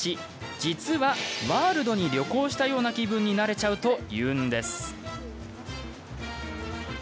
実は、ワールドに旅行したような気分になれちゃうというんです。